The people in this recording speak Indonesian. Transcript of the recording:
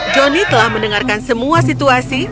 johnny telah mendengarkan semua situasi